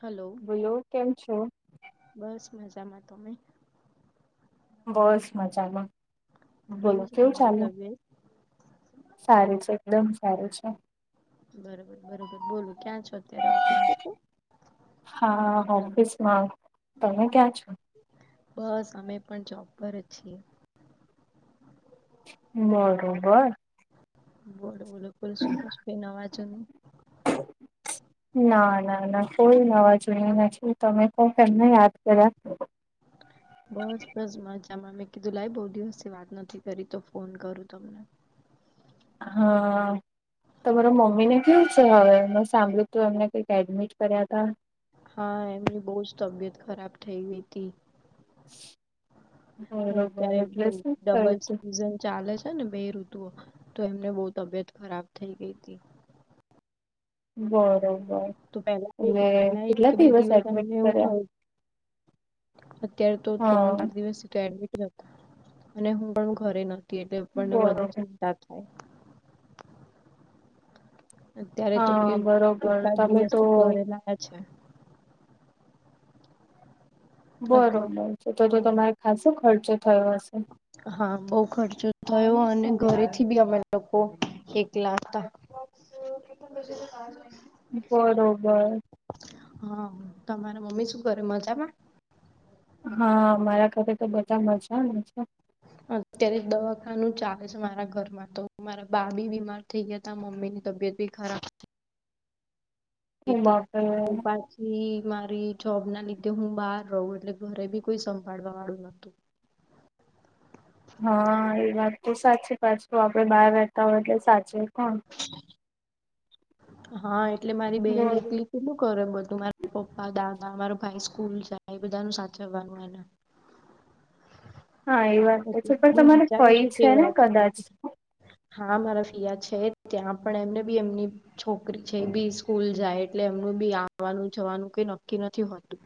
Hello બોલો કેમ છો? બસ મજામાં તમે? બસ મજામાં. બોલો કેવી છે કેવું તમારી ચાલે? તબિયત? સારું છે એકદમ સારું છે. બરોબર બરોબર બોલો ક્યાં છો અત્યારે ઓફિસ? હા ઓફિસમાં તમે ક્યાં છો? બસ અમે પણ જોબ પર જ છીએ. બરોબર. બોલો બોલો બોલ શુંશને વાજન? હ [inaudible] ના ના ના કોઈ નવા જૂની નથી તમે કોક એમને યાદ કર્યા બસ બસ મજામાં મેં કીધું લાઈ બહુ દિવસે વાત નથી કરી તો ફોન કરું તમને હા. તમારા મમ્મી ને કેવું છે હવે મેં સાંભળ્યું તું એમને કઈક એડમિટ કર્યા તા? હા એમની બહુ જ તબિયત ખરાબ થઇ ગઈ હતી. ક્યારે બરોબર એટલે શું થયું ડબલ તું સ ચાલે છે ને બે ઋતુઓ, તો એમને બહુ તબિયત ખરાબ થઈ ગઈ હતી. બરો તો પહેલા પહેલા એક કે બે દિવસ એડમિટ એમને એવું કર્યા થયુ અત્યારે તો ત્રણ હા ચાર દિવસીથી એડમિટ અને હું પણ ઘરે નથી. કે એટલે આપણને વધુ બરોબર ચિંતા થાય. અત્યારે તો હા બી બરોબર એકાદ તમે તો દિવસથી ઘરે લાયા છે. અત્યારે બરોબર છે તો જો હા તમારે ખાસો ખર્ચો થયો હશે. હા બહુ ખર્ચો થયો અને ઘરેથી બી અમે લોકો એક લા હતા [inaudible] બરોબર હા તમારા મમ્મી શું કરે મજામાં? હા મારા ઘરે તો બધા મજામાં છે અત્યારે દવાખાનું ચાલે છે મારા ઘરમાં તો મારા બા બી બીમાર થઈ ગ્યા તા મમ્મી ની તબિયત બી ખરાબ ઓ બાપરે [unintelligible] એ મારી જોબ ના લીધે હું બહાર રહું એટલે ઘરે બી કોઈ સંભાળવા વાળું નતું. હા એ વાત તો સાચી પાછું આપડે બહાર રહેતા હોય એટલે સાચવે કોણ? હા એટલે મારી બહેન બરોબર એકલી કેટલુ કરે એમ બધું મારા પપ્પા દાદા મારો ભાઈ સ્કૂલ જાય એ બધાનું સાચવવાનું હોય ને હા એ વાત તો એટલે છે હું પણ બી તમારે વિચારું ફઈ છું છે કે ને કદાચ રથયાત્રા, હા મારા ફિયા છે ત્યાં પણ એમને બી એમની છોકરી છે બી સ્કૂલ જાય એટલે એમનું બી આવવાનું જવાનું કઈ નક્કી નથી હોતું.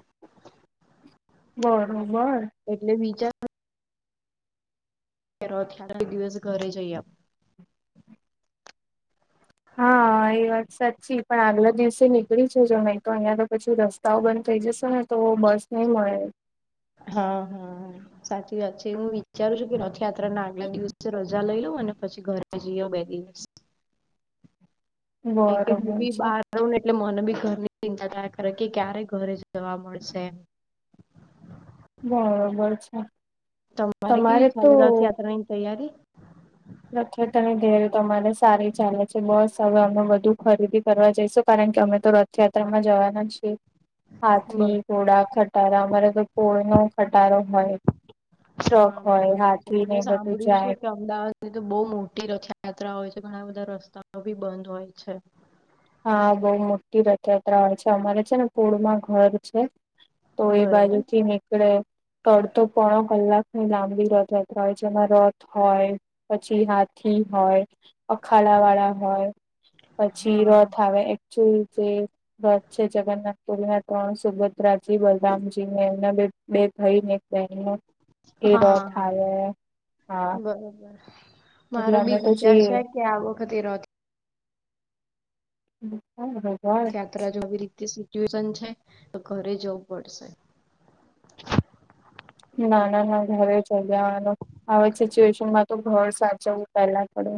બરોબર એટલે [inaudible] ત્યારે દિવસ ઘરે જઈ આપ હા હા એ વાત સાચી પણ આગલા દિવસે નીકળી જજો નહીં તો અહિયાં તો પછી રસ્તાઓ બંધ થઈ જશે ને તો બસ નય મળે હા હા સાચી વાત છે હું વિચારું છું કે રથયાત્રા ના આગલા દિવસે રજા લઈ લઉં અને પછી ઘરે જય આવુ બે દિવસ કારણ કે હું બરોબર બી છે બહાર ને એટલે મને બી ઘર ની ચિંતા થાય કરે કે ક્યારે ઘરે જવા મળશે. બરોબર છે. તમારે કેવી ચાલે રથયાત્રા ની તૈયારી રથયાત્રાની તૈયારીતો અમારે સારી ચાલે છે બસ હવે અમે બધુ ખરીદી કરવા જઈશું કારણ કે અમે તો રથ યાત્રામાં જવાના છીએ હાથી બરોબર ધોડા ખટારા અમારે તો પોળ નો ખટારો હોય. સોક હા હોય બરોબર છે હાથી ને મેં બધું સાંભળ્યું છે જાય કે અમદાવાદની તો બહુ મોટી રથયાત્રા હોય છે ઘણા બધા રસ્તાઓ બી બંધ હોય છે. હા બહુ મોટી રથયાત્રા હોય છે અમારે છે ને પોળમાં ઘર છે. તો એ બાજુ બરોબર થી નીકળે તો અડધો-પોણો કલાકની લાંબી રથયાત્રા હોય જેમાં રથ હોય પછી હાથી હોય અખાડા વાળા હોય પછી હા રથ આવે એકચુઅલી જે વચ્ચે જગન્નાથ લ ના ત્રણ સુભદ્રાજી બલરામજી એ બે બે ભાઈ ને એક બેહે એ બ હા હા થાય હા બરોબર એટલે મારો અમે બી વિચાર પછી છે કે આ વખતે રથ. હમ. હ, હ. યાત્રા જો આવી રીતે સિચ્યુએશન છે તો ઘરે જવું પડશે. ના, ના, ના. ઘરે ચલી જવાનું આવે જ સિચ્યુએશનમાં તો ઘર સાચવું. પેલા પડે.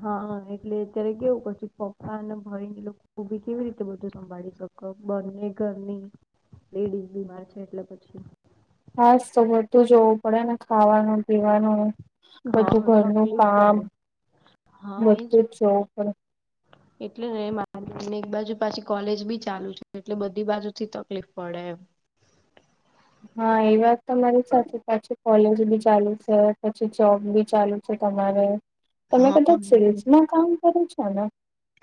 હા, એટલે અત્યારે કેવું? પછી પપ્પા અને ભાઈ ને લોકો ખબી કેવી રીતે બધું સંભાળી શકે? બંને ઘરની લેડીઝ બીમાર છે, એટલે પછી હાસ, તો બધું જોવું પડે ને, ખાવાનું-પીવાનું. બધું હા ઘરનું તકલીફ કામ પડે હા બધું એજ જ જોવું પડે. એટલે મારી એક બાજુ પાછી કોલેજ બી ચાલુ છે, એટલે બધી બાજુ થી તકલીફ પડે એમ. હા, એ વાત તમારી સાચી. પછી કોલેજ બી ચાલુ છે, પછી જોબ બી ચાલુ છે તમારે. તમે હા કદાચ એટલે સિલ્સમાં કામ કરો છો ને?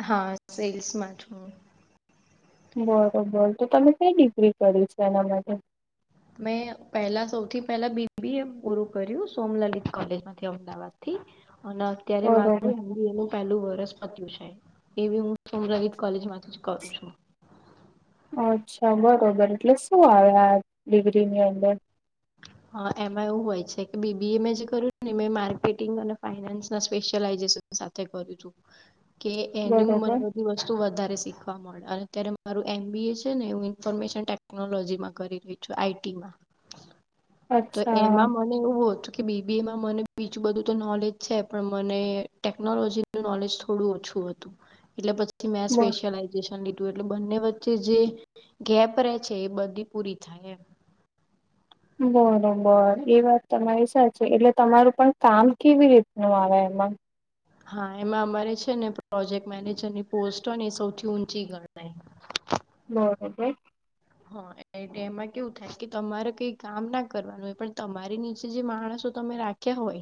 હા, સેલ્સમાં છું. બરોબર, તો તમે કઈ ડિગ્રી કરી છે એના માટે? મેં પહેલા સૌથી પહેલા બીબીએ પૂરું કર્યું, સોમલલિત કોલેજમાંથી, અમદાવાદ થી. અને ત્યારે બરોબર મારું એમ બીએ નું પહેલું વર્ષ પત્યુ છે, એવી હું સોમરહિત કોલેજમાંથી. કરું છું. અચ્છા, બરોબર. એટલે શું આવે આ ડિગ્રીની અંદર? હા, એમાં એવું હોય છે કે બીબીએ મે જે કરું ને, મેં માર્કેટિંગ અને ફાઈનાન્સ ના સ્પેશ્યલાઇઝેશન. સાથે કરું છું. [unintelligible] કે એનું મારુ બરોબર વસ્તુ વધારે શીખવા મળે, અને અત્યારે મારું એમ બી એ છે ને, એવું ઇન્ફોર્મેશન ટેકનોલોજી. ટેકનોલોજીમાં કરી રહી છું, આઈટીમાં તો અચ્છા એમાં. એવું હતું કે, બીબીએમાં મને બીજું બધું તો નોલેજ છે, પણ મને ટેકનોલોજી નોલેજ થોડું ઓછું હતું, એટલે પછી મે બ સ્પેશિયલ લીધું એટલે બંને વચ્ચે જે ગેપ રહેે છે, એ બધી પૂરી થાય એ. બરોબર, એ વાત તમારી સાચી. એટલે તમારું પણ કામ કેવી રીતનું આવે એમાં? હા, એમાં અમારે છે ને, પ્રોજેક્ટ મેનેજર ની પોસ્ટ હોય ને, એ સૌથી ઊંચી ગણાય. હ. હા, એ એમાં કેવું થાય કે તમારે કઈ કામ ના કરવાનું હોય, પણ તમારી નીચે જે માણસો તમે રાખ કે હોય,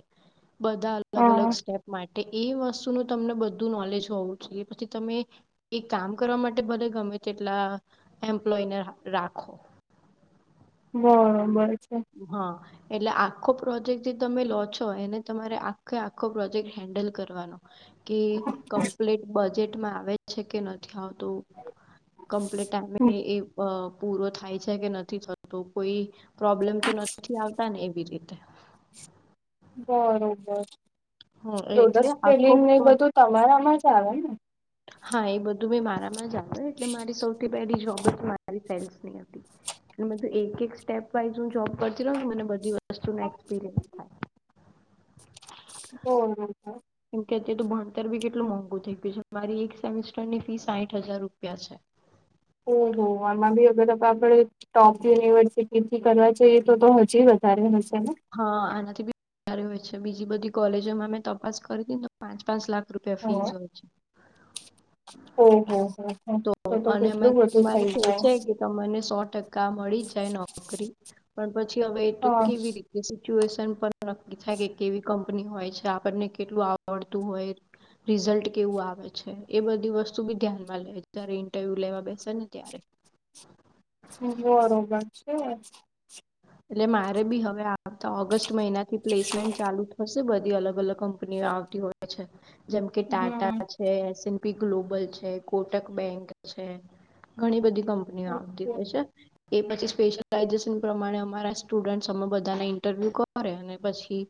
બધા અલગ હા અલગ સ્ટેપ માટે. એ, એ વસ્તુ નું તમને બધું નોલેજ હોવું જોઈએ, પછી તમે એ કામ કરવા માટે, ભલે ગમે તેટલા એમ્પ્લોયન રાખો. બરોબર છે. હા. એટલે આખો પ્રોજેક્ટ જે તમે લો છો, એને તમારે આખે આખો પ્રોજેક્ટ હેન્ડલ કરવાનો. કે કમ્પ્લીટ બજેટમાં આવે છે કે નથી આવતા? કમ્પ્લીટ ટાઈમે એ. પૂરો થાય છે કે નથી થતો? કોઈ પ્રોબ્લેમ તો નથી આવતા ને, એવી રીતે? બરોબર, હ એટલે રોધસ આખો સ્પલિંગ એ બધું તમારામાં જ આવે ને? હા, એ બધું બી મારામાં જ આવે એટલે મારી સૌથી પહેલી જોબ જ મારી સેલ્સની હતી. બધું એક એક સ્ટેપ વાઈઝ હું જોબ કરતી રઉ મને બધી વસ્તુ નો એક્સપિરયસ થાય. ઓ હો તો કેમ કે અએ તો ભણતર બી કેટલું મોંઘુ થઇ ગયું છે. મારી એક સેમેિસ્ટર ની ફી સાઠ હજાર રૂપિયા છે. ઓહ, આમાં બી, અગર આપડા ટોપ યુનિવર્સિટી કરવા જોઈએ, તો હજી વધારે હશે ને? હા, આનાથી બી બરાબર હોય છે. બીજી બધી કોલેજોમાં મેં તપાસ કરી હતી, પાંચ પાંચ લાખ. રૂપિયા ફીઝ હોય છે. હ. તો અને બધું મારે થઈ કે જાય છે કે તને સો ટકા તા મળી જાય નોકરી પણ પછી હવે એ તું હા કેવી રી સિચ્યુએશન પણ નક્કી થાય કે કેવી કંપની હોય છે આપણને કેટલું આવડતું હોય. રિઝલ્ટ કેવું આવે છે એ બધી વસ્તુ બી ધ્યાનમાં લે જય્યારે ઇન્ટરવ્યુ લેવા બેસે ને ત્યારે. હું બરોબર છે. એટલે મારે બી હવે આવતા ઓગસ્ટ મહિના થી પ્લેસમેન્ટ ચાલુ થશે બધી અલગ અલગ કંપનીઓ આવ તી હોય છે જેમ કે ટાટા હમ છે, એસ એન પી ગ્લોબલ છે, કોટક બેંક છે, ઘણી બધી કંપનીઓ આવતી ઓકે હોય છે એ પછી સ્પેશલાઈજેશન પ્રમાણે અમારા સ્ટુડન્ટસ અમે બધાને ઇન્ટરવ્યુ કરે અને પછી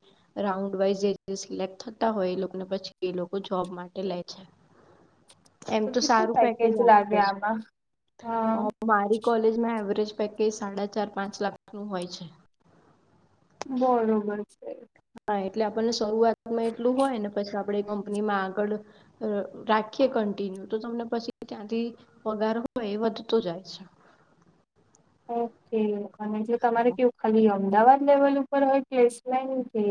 રાઉન્ડ વાઈઝ સિલેક્ટ થતા હોય એ લોકોને પછી એ લોકો જોબ માટે લે છે. એમ તો કેટલું સારું પેકેજ આપે લાગે છે આમાં હા અહ મારી કોલેજમાં એવરેજ પેકેજ સાડા ચાર પાંચ લાખ નું હોય છે. બરોબર છે. હા, એટલે આપણને શરૂઆતમાં એટલું હોય ને પછી આપડે કંપનીમાં આગળ અહ રાખીએ કન્ટિન્યુ તો તમને પછી ત્યાંથી પગાર હોય એ વધતો જાય છે. ઓકે અને જો તમારે હમ. કેવું ખાલી અમદાવાદ લેવલ ઉપર હોય કેસ લેન કે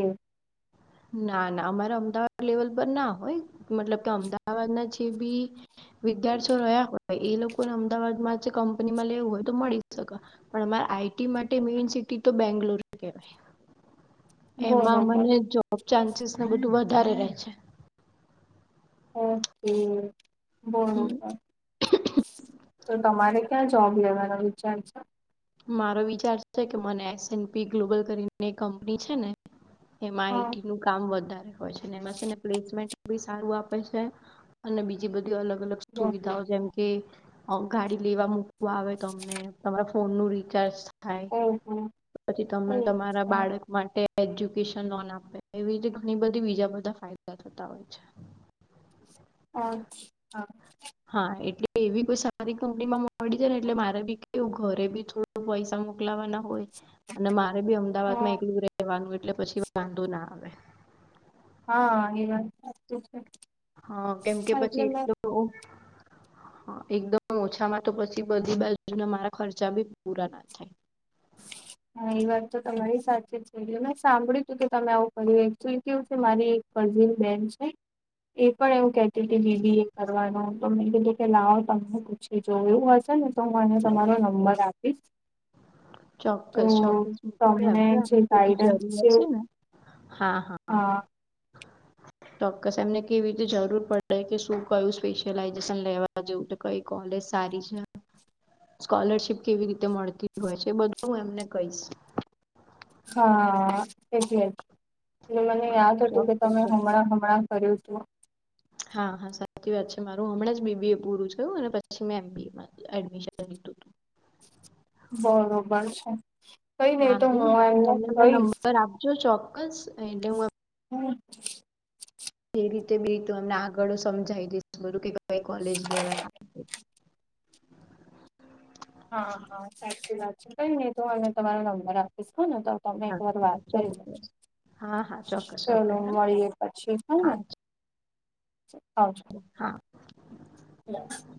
ના ના અમારા અમદાવાદ લેવલ પર ના હોય મતલબ કે તો અમદાવાદ ના જે બી વિદ્યાર્થીઓ રહ્યા હોય એ લોકોને અમદાવાદ માં જે કંપનીમાં લેવું હોય તો મળી શકા. પણ અમારા આઈ ટી માટે મેઈન સિટી તો બેંગ્લોર કહેવાય. એમાં બરોબર મને જોબ ચાન્સીસ બધું વધારે રેહ છે. ઓકે હમ બરોબર. તો તમારે ક્યાં જોબ લેવાનો વિચાર છે? મારો વિચાર છે કે મને એસ એન પી ગ્લોબલ કરીની કંપની છે ને. એમાં હા આઈટી નું કામ વધારે હોય છેને એમાં છે ને પ્લેસમેન્ટ ી સારું આપે છે, અને બીજી બધી અલગ અલગ બરોબર સુવિધાઓ જેમ કે, ગાડી લેવા મૂકવા આવે તમને તમારા ફોન નું રિચાર્જ થાય. ઓહો પછી તમને તમારા અચ્છા બાળક માટે એજ્યુકેશન લોન આપે એવી રીતે ઘણી બધી બીજા બધા ફાયદા થાય. બતા હોય છે. હ હા. હા એટલે એવી કોઈ સારી કંપનીમાં મળી જ ને એટલે મારે બી કેવું ઘરે બી થોડું પૈસા મોકલાવા ના હોય. અને મારે બી અમદાવાદ માં હા એકલું રહેેવાનું એટલે પછી વાંધુ ના આવે. હા એ વાત સાચી છે. હા કેમ કે હા પછી એટલે એક મે તો હ એકદમ ઓછામાં તો પછી બધી બાજુના મારા ખર્ચા બી પૂરા ના થાય. [inaudible] હા એ વાત તો તમારી સાચ જ છે મેં સાંભળ્યું તું કે તમે આવું કર્યું એકચુઅલી કેવું છે મારી કઝલ બેન છે. એ પણ એવું કતી કે બીબી એ કરવાનું તો મેં કીધું કે લાવો તમને પછી જોયું હશે ને. તો હું એને તમારો નંબર આપીશ. તો ચોક્કસ ચોક્કસ મ તમને આવશે જે કે ગાઈડન્સ જરૂર છે હશે ને. હા હા. [inaudible] ચોક્કસ એમને કેવી રીતે જરૂર પડે કે શું કયું સ્પેશિલાઈઝેશન લેવા જેવું છે. કઈ કોલેજ સારી છે, સ્કોલરશીપ કેવી રીતે મળતી હોય છે. એ બધું હું એમને કહીશ. હા એટલે જ, ને મને હા યાદ હતું કે તમે ચોક્કસ ચોક્કસ હમણાં કર્યું હતું. હા હા સાચી વાત છે મારું હમણાં જ બી. બી. એ. પૂરું થયું અને પછી મેં એમ. બી. એ. માં એડમિશન લીધું હતું. બરોબર છે કઈ નહી તો હું એમને કઈસ. જો ચોક્કસ [unintelligible] હમ્મ. એ રીતે બી તું અમને આગળ સમજાવી દઈશ બધું કે કઈ કોલેજ લેવાય. હા હા સાચી વાત છે કઈ નહી તું અને તમારો નંબર આપીશ હો ને તો. તમને એક હા વાર વાત હા કરી લેજો. ચોક્કસ. હા હા ચોક્કસ ચલો ચોક્કસ મળીએ પછી હો ને હા આવજો. હા. [inaudible]